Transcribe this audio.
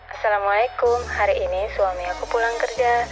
assalamualaikum hari ini suami aku pulang kerja